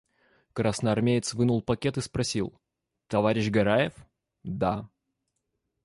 Красноармеец вынул пакет и спросил: – Товарищ Гараев? – Да.